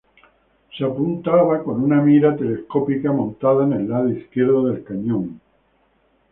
Se apuntaba con una mira telescópica, montada en el lado izquierdo del cañón.